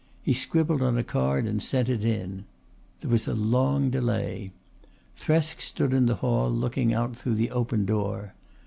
He scribbled on a card and sent it in. There was a long delay. Thresk stood in the hall looking out through the open door.